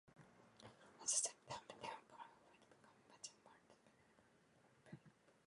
At the same time, medium bombers were becoming much more able at lower altitudes.